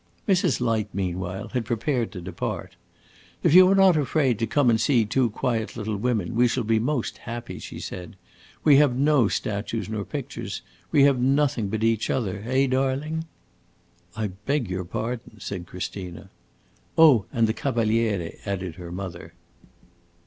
Mrs. Light, meanwhile, had prepared to depart. "If you are not afraid to come and see two quiet little women, we shall be most happy!" she said. "We have no statues nor pictures we have nothing but each other. Eh, darling?" "I beg your pardon," said Christina. "Oh, and the Cavaliere," added her mother.